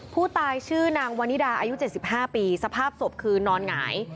ผู้ตายชื่อนางวันนิดาอายุ๗๕ปีสภาพศพคือนอนหงาย